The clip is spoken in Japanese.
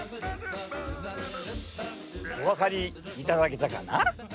お分かりいただけたかな？